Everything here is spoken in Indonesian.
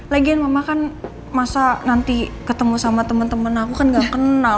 lagian mama kan masa nanti ketemu sama temen temen aku kan nggak kenal